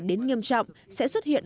đến nghiêm trọng sẽ xuất hiện